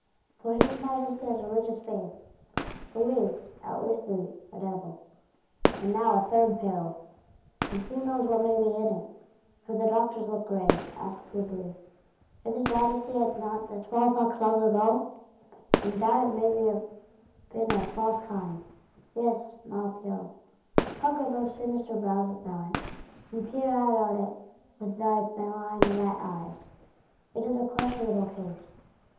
For his Majesty has religious faith; believes, at least in a Devil. And now a third peril; and who knows what may be in it! For the Doctors look grave; ask privily, If his Majesty had not the small pox long ago?—and doubt it may have been a false kind. Yes, Maupeou, pucker those sinister brows of thine, and peer out on it with thy malign rat eyes: it is a questionable case.